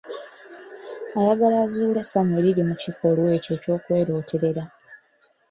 Ayagala azuule essanyu eriri mu kikolwa ekyo eky'okwerooterera.